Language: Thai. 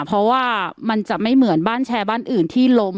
เพราะว่ามันจะไม่เหมือนบ้านแชร์บ้านอื่นที่ล้ม